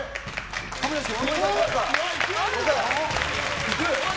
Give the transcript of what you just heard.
亀梨君？